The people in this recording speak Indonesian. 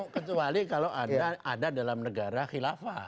kecuali kalau anda ada dalam negara khilafah